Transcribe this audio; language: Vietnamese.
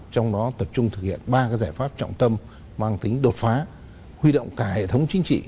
trong đó tập trung thực hiện ba giải pháp trọng tâm mang tính đột phá huy động cả hệ thống chính trị